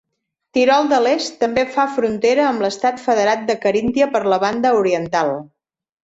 Tirol de l'Est també fa frontera amb l'estat federat de Caríntia per la banda oriental.